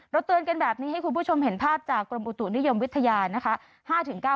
เตือนกันแบบนี้ให้คุณผู้ชมเห็นภาพจากกรมอุตุนิยมวิทยานะคะ